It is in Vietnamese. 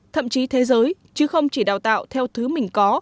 thậm chí thế giới chứ không chỉ đào tạo theo thứ mình có